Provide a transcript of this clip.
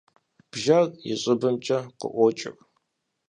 Бжэр и щӏыбымкӏэ къыӏуокӏыр.